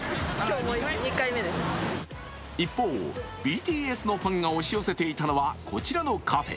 一方、ＢＴＳのファンが押し寄せていたのはこちらのカフェ。